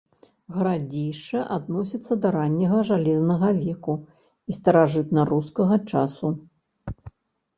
Гарадзішча адносіцца да ранняга жалезнага веку і старажытнарускага часу.